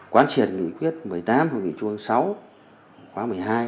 quán triệt nghị quyết một mươi tám hội nghị trung ương sáu khóa một mươi hai